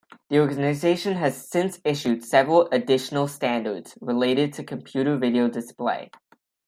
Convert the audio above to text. The organization has since issued several additional standards related to computer video display.